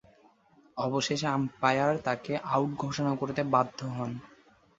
অবশেষে আম্পায়ার তাকে আউট ঘোষণা করতে বাধ্য হন।